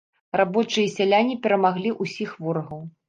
Рабочыя і сяляне перамаглі ўсіх ворагаў.